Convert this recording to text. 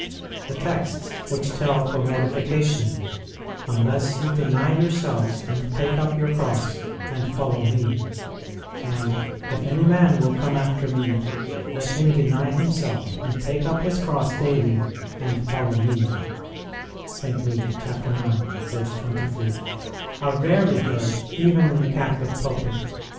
Tile: texts \\hieh te 11 for mortifica tion : Unless you deny yourselves and take up vour cross and follow Me, and If nny man will come after Me 1 , let him deny himself, and take up his cross daily and follow Me, 1 are rarely heard even in the Catholic pulpit.